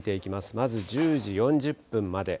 まず１０時４０分まで。